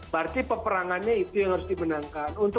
berarti peperangannya itu yang harus dimenangkan